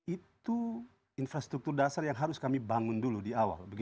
itu infrastruktur dasar yang harus kami bangun dulu di awal